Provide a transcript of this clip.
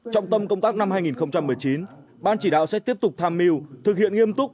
trọng tâm công tác năm hai nghìn một mươi chín ban chỉ đạo sẽ tiếp tục tham mưu thực hiện nghiêm túc